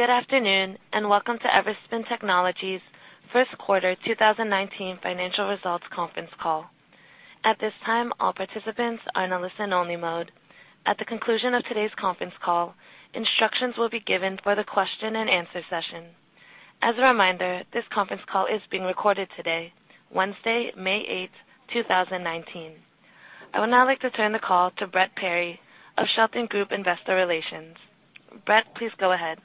Good afternoon, and welcome to Everspin Technologies' first quarter 2019 financial results conference call. At this time, all participants are in a listen-only mode. At the conclusion of today's conference call, instructions will be given for the question and answer session. As a reminder, this conference call is being recorded today, Wednesday, May 8, 2019. I would now like to turn the call to Brett Perry of Shelton Group Investor Relations. Brett, please go ahead.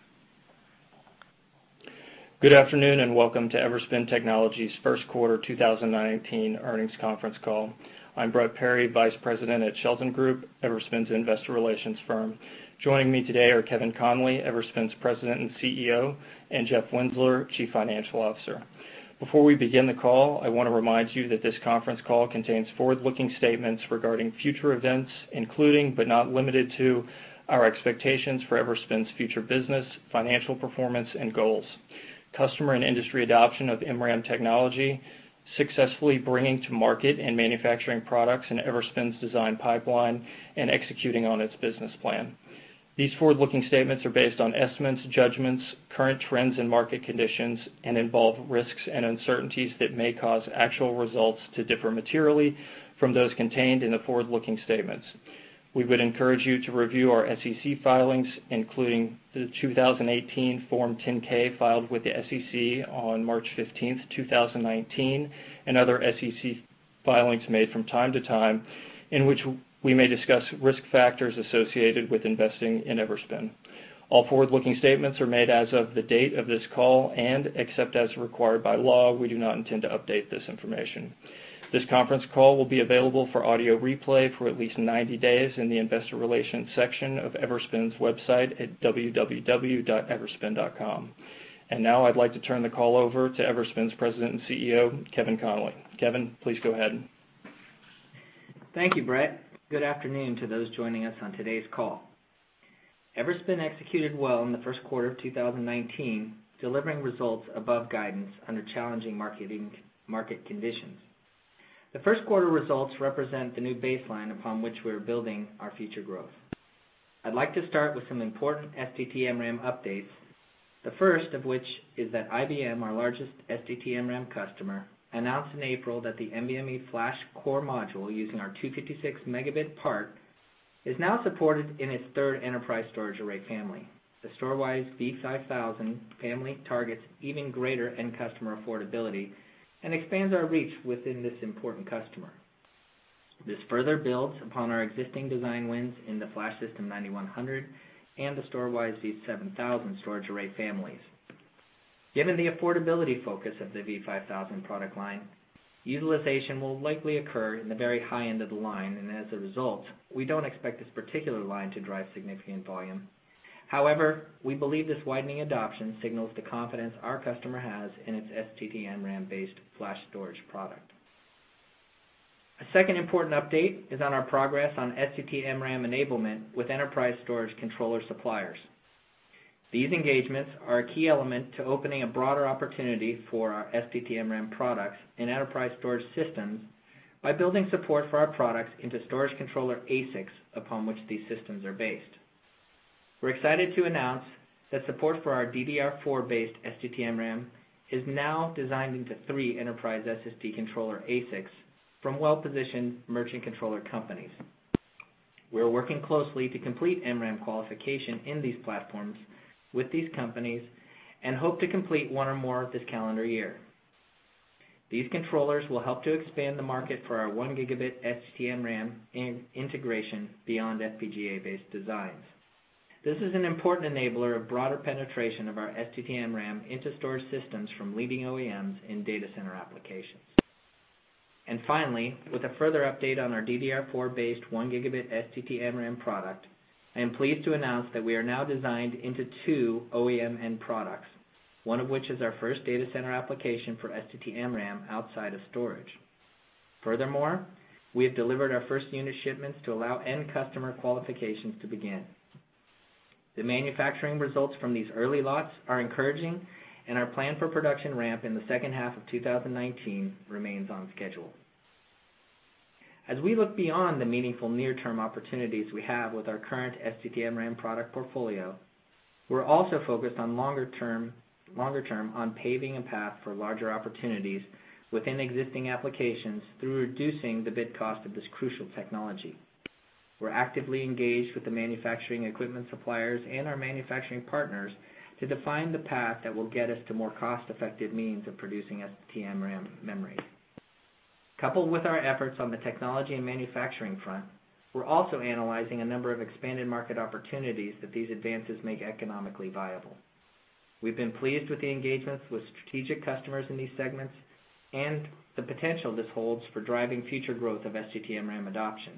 Good afternoon, and welcome to Everspin Technologies' first quarter 2019 earnings conference call. I'm Brett Perry, vice president at Shelton Group, Everspin's investor relations firm. Joining me today are Kevin Conley, Everspin's President and CEO, and Jeff Winzeler, Chief Financial Officer. Before we begin the call, I want to remind you that this conference call contains forward-looking statements regarding future events, including, but not limited to, our expectations for Everspin's future business, financial performance, and goals, customer and industry adoption of MRAM technology, successfully bringing to market and manufacturing products in Everspin's design pipeline, executing on its business plan. These forward-looking statements are based on estimates, judgments, current trends and market conditions, involve risks and uncertainties that may cause actual results to differ materially from those contained in the forward-looking statements. We would encourage you to review our SEC filings, including the 2018 Form 10-K filed with the SEC on March 15th, 2019, other SEC filings made from time to time, in which we may discuss risk factors associated with investing in Everspin. All forward-looking statements are made as of the date of this call, except as required by law, we do not intend to update this information. This conference call will be available for audio replay for at least 90 days in the investor relations section of Everspin's website at www.everspin.com. Now I'd like to turn the call over to Everspin's President and CEO, Kevin Conley. Kevin, please go ahead. Thank you, Brett. Good afternoon to those joining us on today's call. Everspin executed well in the first quarter of 2019, delivering results above guidance under challenging market conditions. The first quarter results represent the new baseline upon which we're building our future growth. I'd like to start with some important STT-MRAM updates, the first of which is that IBM, our largest STT-MRAM customer, announced in April that the NVMe FlashCore Module using our 256-megabit part is now supported in its third enterprise storage array family. The Storwize V5000 family targets even greater end customer affordability and expands our reach within this important customer. This further builds upon our existing design wins in the FlashSystem 9100 and the Storwize V7000 storage array families. Given the affordability focus of the V5000 product line, utilization will likely occur in the very high end of the line, and as a result, we don't expect this particular line to drive significant volume. However, we believe this widening adoption signals the confidence our customer has in its STT-MRAM-based flash storage product. A second important update is on our progress on STT-MRAM enablement with enterprise storage controller suppliers. These engagements are a key element to opening a broader opportunity for our STT-MRAM products in enterprise storage systems by building support for our products into storage controller ASICs upon which these systems are based. We're excited to announce that support for our DDR4-based STT-MRAM is now designed into three enterprise SSD controller ASICs from well-positioned merchant controller companies. We are working closely to complete MRAM qualification in these platforms with these companies and hope to complete one or more this calendar year. These controllers will help to expand the market for our one gigabit STT-MRAM in integration beyond FPGA-based designs. This is an important enabler of broader penetration of our STT-MRAM into storage systems from leading OEMs in data center applications. Finally, with a further update on our DDR4-based one gigabit STT-MRAM product, I am pleased to announce that we are now designed into two OEM end products, one of which is our first data center application for STT-MRAM outside of storage. Furthermore, we have delivered our first unit shipments to allow end customer qualifications to begin. The manufacturing results from these early lots are encouraging, and our plan for production ramp in the second half of 2019 remains on schedule. As we look beyond the meaningful near-term opportunities we have with our current STT-MRAM product portfolio, we're also focused longer term on paving a path for larger opportunities within existing applications through reducing the bit cost of this crucial technology. We're actively engaged with the manufacturing equipment suppliers and our manufacturing partners to define the path that will get us to more cost-effective means of producing STT-MRAM memory. Coupled with our efforts on the technology and manufacturing front, we're also analyzing a number of expanded market opportunities that these advances make economically viable. We've been pleased with the engagements with strategic customers in these segments and the potential this holds for driving future growth of STT-MRAM adoption.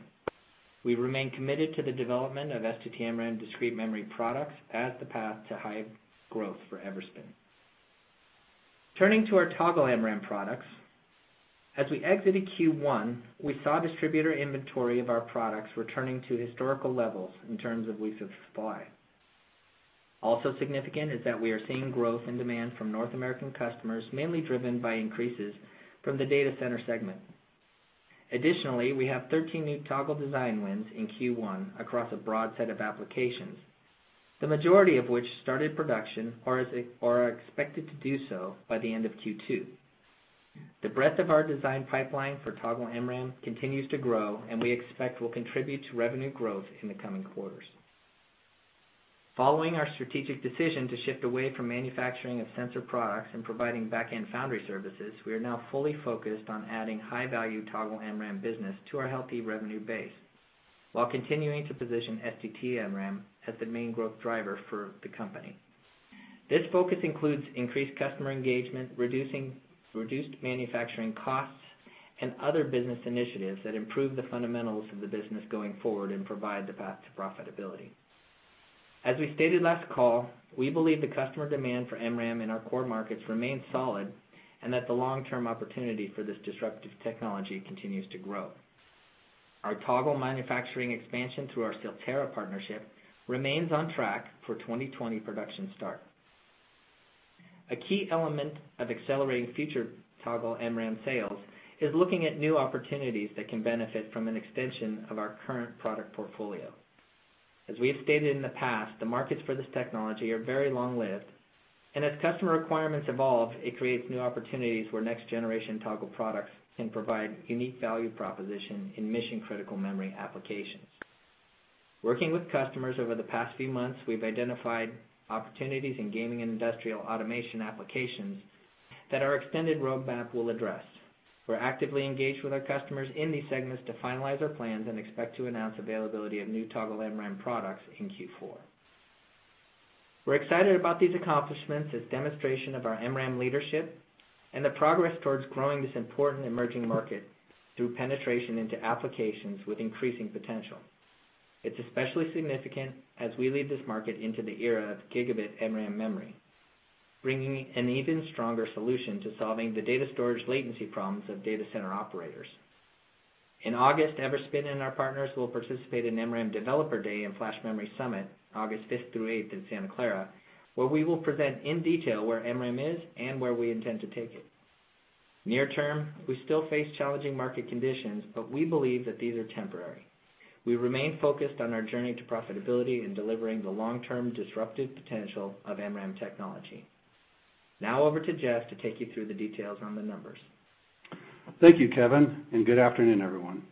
We remain committed to the development of STT-MRAM discrete memory products as the path to high growth for Everspin. Turning to our Toggle MRAM products, as we exited Q1, we saw distributor inventory of our products returning to historical levels in terms of weeks of supply. Also significant is that we are seeing growth in demand from North American customers, mainly driven by increases from the data center segment. Additionally, we have 13 new Toggle design wins in Q1 across a broad set of applications, the majority of which started production or are expected to do so by the end of Q2. The breadth of our design pipeline for Toggle MRAM continues to grow, we expect will contribute to revenue growth in the coming quarters. Following our strategic decision to shift away from manufacturing of sensor products and providing back-end foundry services, we are now fully focused on adding high-value Toggle MRAM business to our healthy revenue base, while continuing to position STT-MRAM as the main growth driver for the company. This focus includes increased customer engagement, reduced manufacturing costs, and other business initiatives that improve the fundamentals of the business going forward and provide the path to profitability. As we stated last call, we believe the customer demand for MRAM in our core markets remains solid, and that the long-term opportunity for this disruptive technology continues to grow. Our Toggle manufacturing expansion through our Silterra partnership remains on track for 2020 production start. A key element of accelerating future Toggle MRAM sales is looking at new opportunities that can benefit from an extension of our current product portfolio. As we have stated in the past, the markets for this technology are very long-lived, and as customer requirements evolve, it creates new opportunities where next-generation Toggle products can provide unique value proposition in mission-critical memory applications. Working with customers over the past few months, we've identified opportunities in gaming and industrial automation applications that our extended roadmap will address. We're actively engaged with our customers in these segments to finalize our plans and expect to announce availability of new Toggle MRAM products in Q4. We're excited about these accomplishments as demonstration of our MRAM leadership and the progress towards growing this important emerging market through penetration into applications with increasing potential. It's especially significant as we lead this market into the era of gigabit MRAM memory, bringing an even stronger solution to solving the data storage latency problems of data center operators. In August, Everspin and our partners will participate in MRAM Developer Day and Flash Memory Summit, August fifth through eighth in Santa Clara, where we will present in detail where MRAM is and where we intend to take it. Near term, we still face challenging market conditions, but we believe that these are temporary. We remain focused on our journey to profitability and delivering the long-term disruptive potential of MRAM technology. Now over to Jeff to take you through the details on the numbers. Thank you, Kevin, and good afternoon, everyone.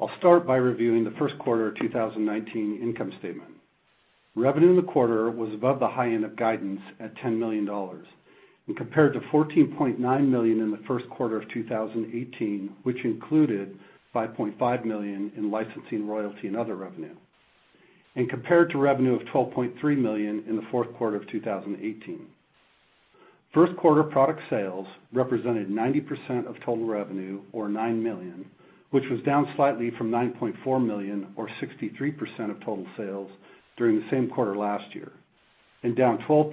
I'll start by reviewing the first quarter 2019 income statement. Revenue in the quarter was above the high end of guidance at $10 million, compared to $14.9 million in the first quarter of 2018, which included $5.5 million in licensing, royalty, and other revenue. Compared to revenue of $12.3 million in the fourth quarter of 2018. First quarter product sales represented 90% of total revenue, or $9 million, which was down slightly from $9.4 million or 63% of total sales during the same quarter last year, and down 12%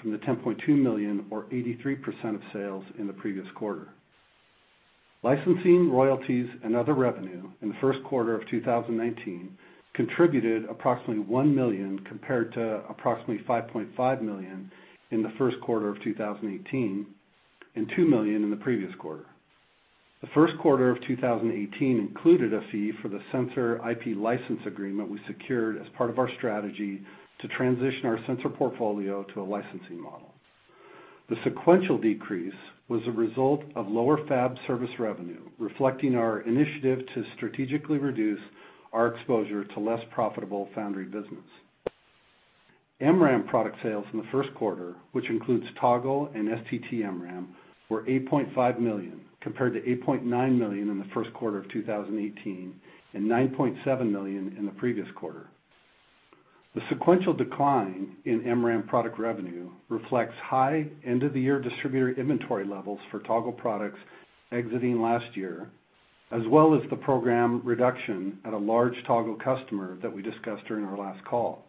from the $10.2 million or 83% of sales in the previous quarter. Licensing, royalties, and other revenue in the first quarter of 2019 contributed approximately $1 million, compared to approximately $5.5 million in the first quarter of 2018, and $2 million in the previous quarter. The first quarter of 2018 included a fee for the sensor IP license agreement we secured as part of our strategy to transition our sensor portfolio to a licensing model. The sequential decrease was a result of lower fab service revenue, reflecting our initiative to strategically reduce our exposure to less profitable foundry business. MRAM product sales in the first quarter, which includes Toggle and STT-MRAM, were $8.5 million, compared to $8.9 million in the first quarter of 2018, and $9.7 million in the previous quarter. The sequential decline in MRAM product revenue reflects high end-of-the-year distributor inventory levels for Toggle products exiting last year, as well as the program reduction at a large Toggle customer that we discussed during our last call.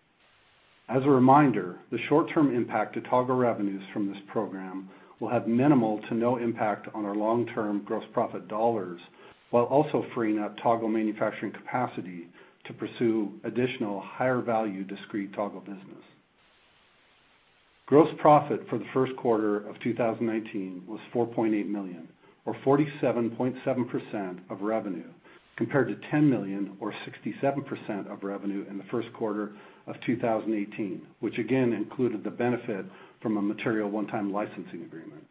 As a reminder, the short-term impact to Toggle revenues from this program will have minimal to no impact on our long-term gross profit dollars, while also freeing up Toggle manufacturing capacity to pursue additional higher-value discrete Toggle business. Gross profit for the first quarter of 2019 was $4.8 million, or 47.7% of revenue, compared to $10 million or 67% of revenue in the first quarter of 2018, which again included the benefit from a material one-time licensing agreement.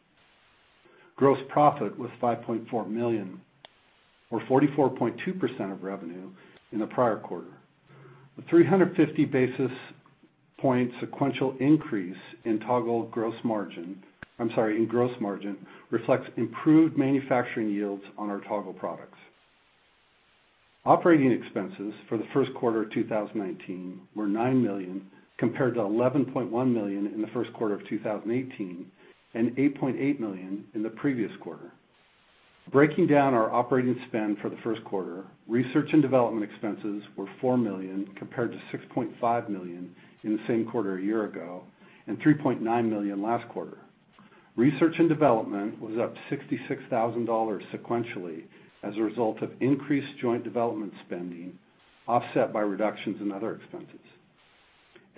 Gross profit was $5.4 million, or 44.2% of revenue in the prior quarter. The 350-basis point sequential increase in gross margin reflects improved manufacturing yields on our Toggle products. Operating expenses for the first quarter 2019 were $9 million, compared to $11.1 million in the first quarter of 2018, and $8.8 million in the previous quarter. Breaking down our operating spend for the first quarter, research and development expenses were $4 million, compared to $6.5 million in the same quarter a year ago, and $3.9 million last quarter. Research and development was up $66,000 sequentially as a result of increased joint development spending, offset by reductions in other expenses.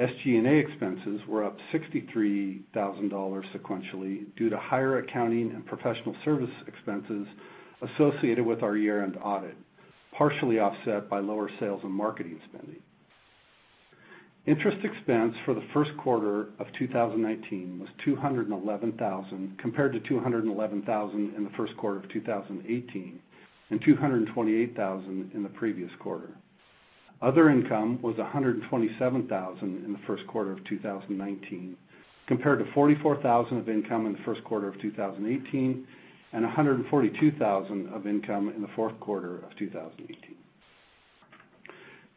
SG&A expenses were up $63,000 sequentially due to higher accounting and professional service expenses associated with our year-end audit, partially offset by lower sales and marketing spending. Interest expense for the first quarter of 2019 was $211,000, compared to $211,000 in the first quarter of 2018, and $228,000 in the previous quarter. Other income was $127,000 in the first quarter of 2019, compared to $44,000 of income in the first quarter of 2018, and $142,000 of income in the fourth quarter of 2018.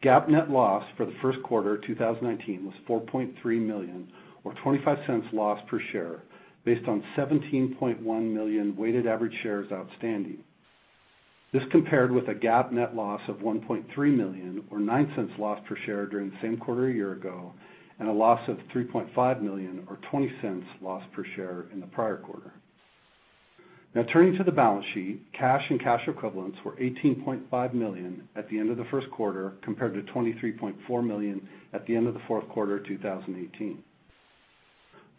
GAAP net loss for the first quarter 2019 was $4.3 million, or $0.25 loss per share based on 17.1 million weighted average shares outstanding. This compared with a GAAP net loss of $1.3 million, or $0.09 loss per share during the same quarter a year ago, and a loss of $3.5 million or $0.20 loss per share in the prior quarter. Now turning to the balance sheet, cash and cash equivalents were $18.5 million at the end of the first quarter, compared to $23.4 million at the end of the fourth quarter 2018.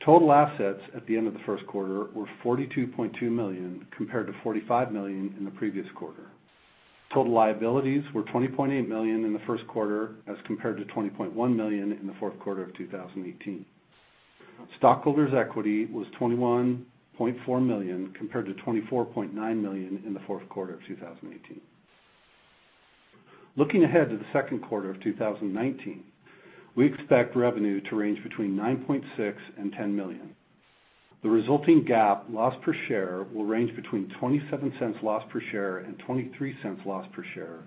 Total assets at the end of the first quarter were $42.2 million, compared to $45 million in the previous quarter. Total liabilities were $20.8 million in the first quarter as compared to $20.1 million in the fourth quarter of 2018. Stockholders' equity was $21.4 million, compared to $24.9 million in the fourth quarter of 2018. Looking ahead to the second quarter of 2019, we expect revenue to range between $9.6 million and $10 million. The resulting GAAP loss per share will range between $0.27 loss per share and $0.23 loss per share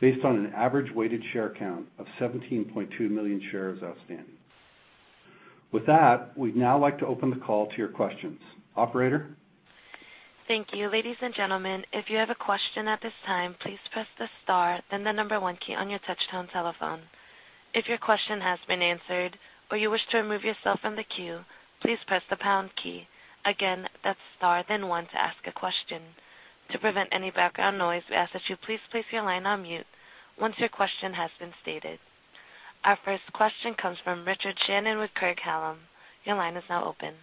based on an average weighted share count of 17.2 million shares outstanding. With that, we'd now like to open the call to your questions. Operator? Thank you. Ladies and gentlemen, if you have a question at this time, please press the star then the number one key on your touchtone telephone. If your question has been answered or you wish to remove yourself from the queue, please press the pound key. Again, that's star then one to ask a question. To prevent any background noise, we ask that you please place your line on mute once your question has been stated. Our first question comes from Richard Shannon with Craig-Hallum. Your line is now open.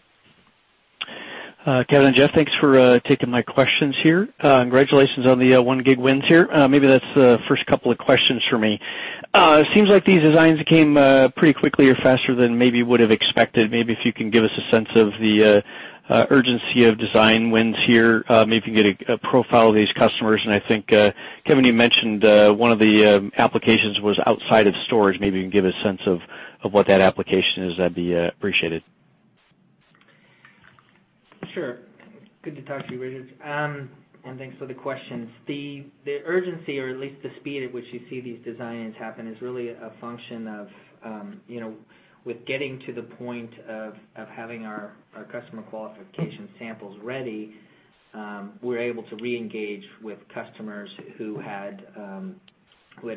Kevin and Jeff, thanks for taking my questions here. Congratulations on the 1 gig wins here. Maybe that's the first couple of questions for me. Seems like these designs came pretty quickly or faster than maybe would've expected. Maybe if you can give us a sense of the urgency of design wins here, maybe you can get a profile of these customers. I think, Kevin, you mentioned one of the applications was outside of storage. Maybe you can give a sense of what that application is, that'd be appreciated. Sure. Good to talk to you, Richard, and thanks for the questions. The urgency or at least the speed at which you see these designs happen is really a function of with getting to the point of having our customer qualification samples ready, we're able to reengage with customers who had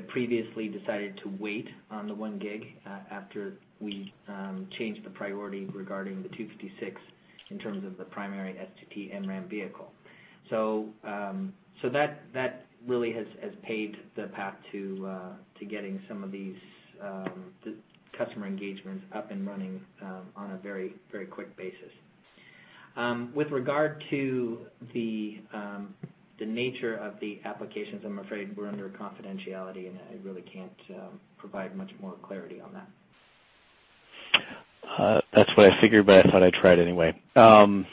previously decided to wait on the 1 gig, after we changed the priority regarding the 256 in terms of the primary STT-MRAM vehicle. That really has paved the path to getting some of these customer engagements up and running on a very quick basis. With regard to the nature of the applications, I'm afraid we're under confidentiality, and I really can't provide much more clarity on that. That's what I figured, but I thought I'd try it anyway. Kevin,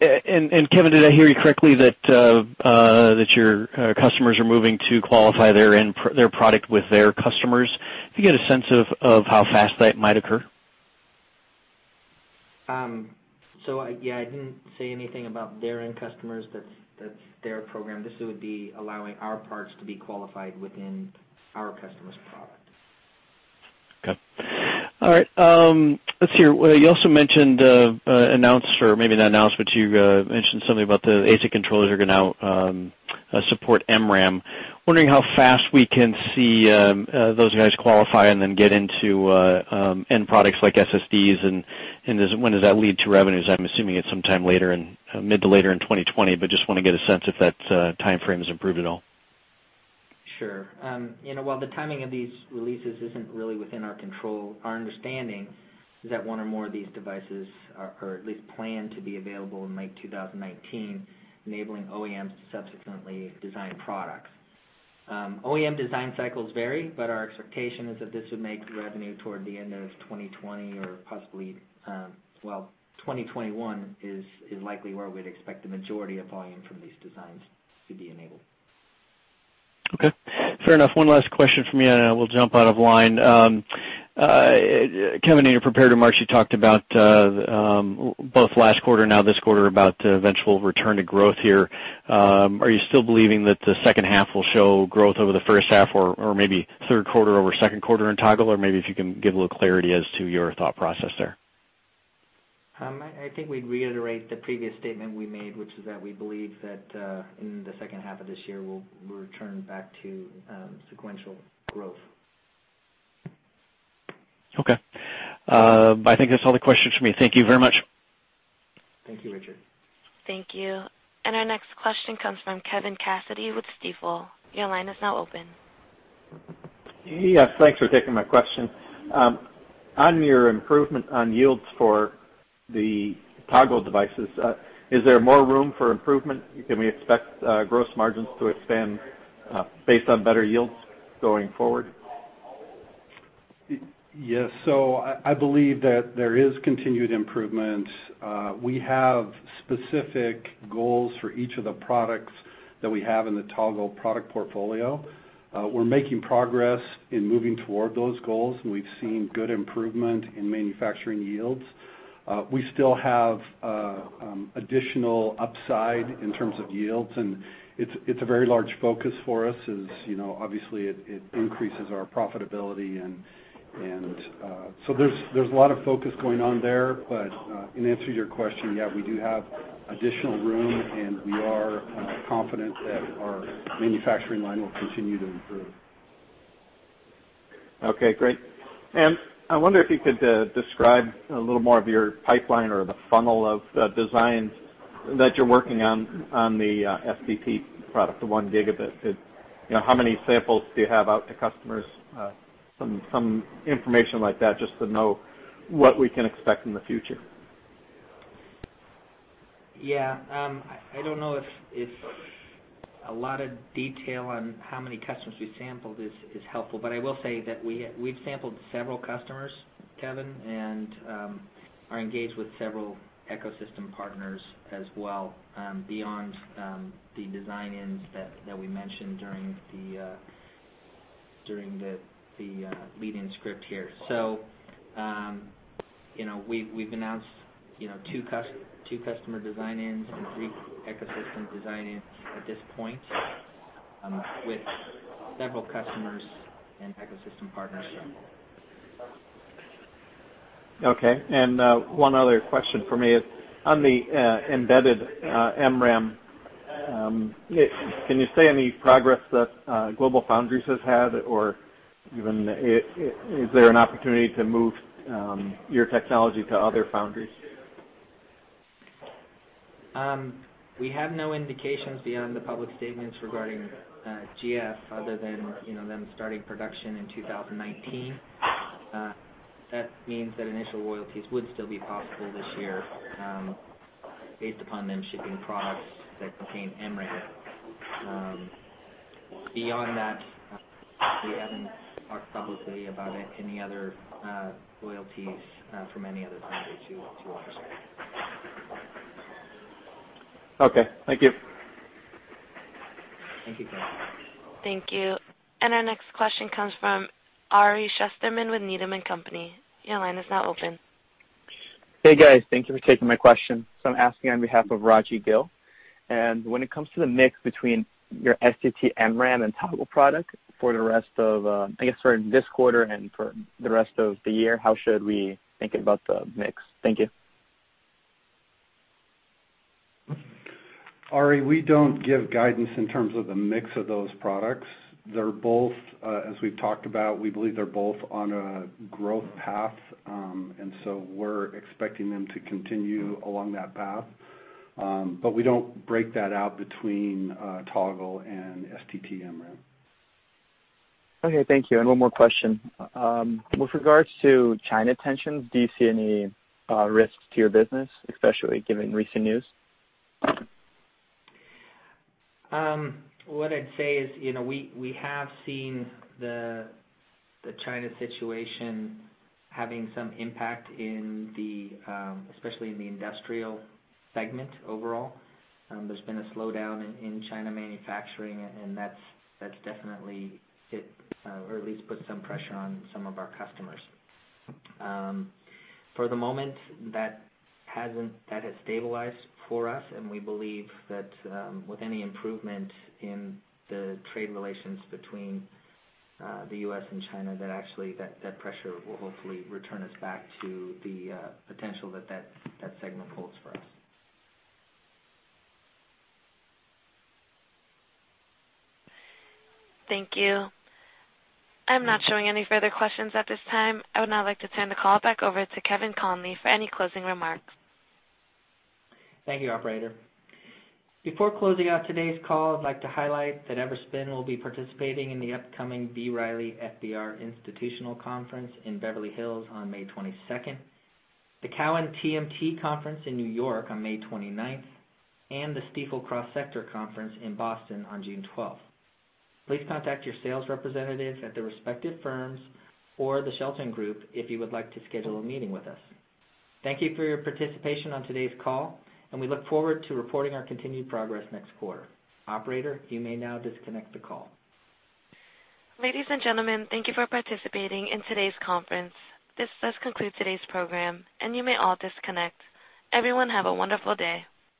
did I hear you correctly that your customers are moving to qualify their product with their customers? Could I get a sense of how fast that might occur? Yeah. I didn't say anything about their end customers. That's their program. This would be allowing our parts to be qualified within our customer's product. Okay. All right. Let's see here. You also mentioned, announced, or maybe not announced, but you mentioned something about the ASIC controllers are going to now support MRAM. Wondering how fast we can see those guys qualify and then get into end products like SSDs, and when does that lead to revenues? I'm assuming it's sometime mid to later in 2020, but just want to get a sense if that timeframe has improved at all. Sure. While the timing of these releases isn't really within our control, our understanding is that one or more of these devices are at least planned to be available in late 2019, enabling OEMs to subsequently design products. OEM design cycles vary, but our expectation is that this would make revenue toward the end of 2020 or possibly, well, 2021 is likely where we'd expect the majority of volume from these designs to be enabled. Okay, fair enough. One last question from me. I will jump out of line. Kevin, in your prepared remarks, you talked about both last quarter and now this quarter about eventual return to growth here. Are you still believing that the second half will show growth over the first half or maybe third quarter over second quarter and toggle, or maybe if you can give a little clarity as to your thought process there? I think we'd reiterate the previous statement we made, which is that we believe that in the second half of this year, we'll return back to sequential growth. Okay. I think that's all the questions from me. Thank you very much. Thank you, Richard. Thank you. Our next question comes from Kevin Cassidy with Stifel. Your line is now open. Yes, thanks for taking my question. On your improvement on yields for the Toggle devices, is there more room for improvement? Can we expect gross margins to expand based on better yields going forward? Yes. I believe that there is continued improvement. We have specific goals for each of the products that we have in the Toggle product portfolio. We're making progress in moving toward those goals, and we've seen good improvement in manufacturing yields. We still have additional upside in terms of yields, and it's a very large focus for us as, obviously, it increases our profitability. There's a lot of focus going on there, but in answer to your question, Yes, we do have additional room, and we are confident that our manufacturing line will continue to improve. Okay, great. I wonder if you could describe a little more of your pipeline or the funnel of designs that you're working on the STT product, the one gigabit. How many samples do you have out to customers? Some information like that just to know what we can expect in the future. Yeah. I don't know if a lot of detail on how many customers we've sampled is helpful, but I will say that we've sampled several customers, Kevin, and are engaged with several ecosystem partners as well, beyond the design-ins that we mentioned during the lead-in script here. We've announced two customer design-ins and three ecosystem design-ins at this point, with several customers and ecosystem partners. Okay. One other question from me is, on the embedded MRAM, can you say any progress that GlobalFoundries has had, or even is there an opportunity to move your technology to other foundries? We have no indications beyond the public statements regarding GlobalFoundries other than them starting production in 2019. That means that initial royalties would still be possible this year, based upon them shipping products that contain MRAM. Beyond that, we haven't talked publicly about any other royalties from any other foundry to announce. Okay, thank you. Thank you, Kevin. Thank you. Our next question comes from Ari Shusterman with Needham & Company. Your line is now open. Hey, guys. Thank you for taking my question. I'm asking on behalf of Rajvindra Gill. When it comes to the mix between your STT MRAM and Toggle product for this quarter and for the rest of the year, how should we think about the mix? Thank you. Ari, we don't give guidance in terms of the mix of those products. As we've talked about, we believe they're both on a growth path. We're expecting them to continue along that path. We don't break that out between Toggle and STT MRAM. Okay, thank you. One more question. With regards to China tensions, do you see any risks to your business, especially given recent news? What I'd say is, we have seen the China situation having some impact, especially in the industrial segment overall. There's been a slowdown in China manufacturing, that definitely did, or at least put some pressure on some of our customers. For the moment, that has stabilized for us, we believe that with any improvement in the trade relations between the U.S. and China, that actually that pressure will hopefully return us back to the potential that segment holds for us. Thank you. I'm not showing any further questions at this time. I would now like to turn the call back over to Kevin Conley for any closing remarks. Thank you, operator. Before closing out today's call, I'd like to highlight that Everspin will be participating in the upcoming B. Riley FBR Institutional Conference in Beverly Hills on May 22nd, the Cowen TMT Conference in New York on May 29th, and the Stifel Cross Sector Conference in Boston on June 12th. Please contact your sales representatives at the respective firms or the Shelton Group if you would like to schedule a meeting with us. Thank you for your participation on today's call, we look forward to reporting our continued progress next quarter. Operator, you may now disconnect the call. Ladies and gentlemen, thank you for participating in today's conference. This does conclude today's program, and you may all disconnect. Everyone have a wonderful day.